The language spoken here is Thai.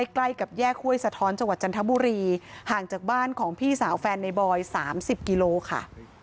ใกล้กับแยกห้วยสะท้อนจังหวัดจันทบุรีห่างจากบ้านของพี่สาวแฟนในบอย๓๐กิโลค่ะ